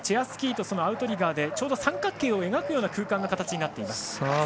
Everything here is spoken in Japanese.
スキーとアウトリガーで三角形を描くような空間の形になっています。